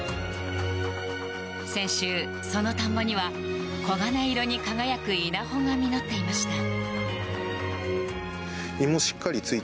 先週、その田んぼには黄金色に輝く稲穂が実っていました。